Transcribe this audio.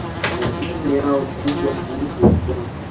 Na dini yao kubwa ni Uislamu